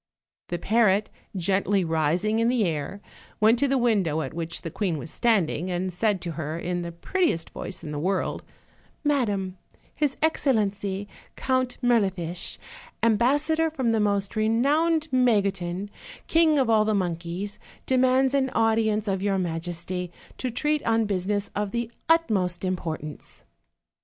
The parrot, gently rising in the air, went to the win dow at which the queen was standing, and said to her, in the prettiest voice in the world: "Madam, his excellency, Count Mirlifiche, ambassador from the most renowned Magotin, king of all the monkeys, demands an audience of your majesty, to treat on business of the utmost im portance."